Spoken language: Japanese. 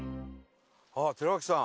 あっ寺脇さん。